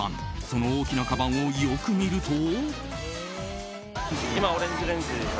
その大きなかばんをよく見ると。